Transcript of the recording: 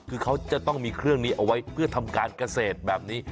คือเขาจะต้องมีเครื่องนี้เอาไว้เพื่อทำการเกษตรแบบนี้